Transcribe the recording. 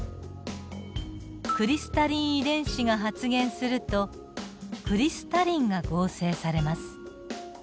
クリスタリン遺伝子が発現するとクリスタリンが合成されます。